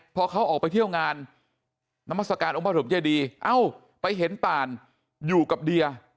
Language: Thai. พอเขาออกไปเที่ยวงานนามัศกาลองค์พระถมเจดีเอ้าไปเห็นป่านอยู่กับเดีย